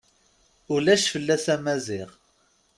Ulac fell-as a Maziɣ.